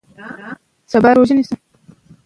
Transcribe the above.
زده کړه زوی ته د خوشخاله ژوند لامل کیږي.